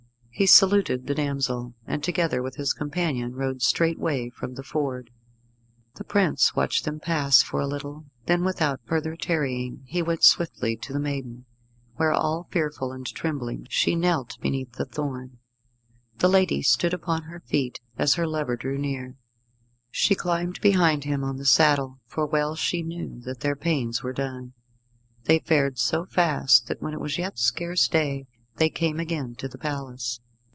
He saluted the damsel, and, together with his companion, rode straightway from the ford. The prince watched them pass for a little, then without further tarrying he went swiftly to the maiden, where, all fearful and trembling, she knelt beneath the thorn. The lady stood upon her feet as her lover drew near. She climbed behind him on the saddle, for well she knew that their pains were done. They fared so fast that when it was yet scarce day they came again to the palace.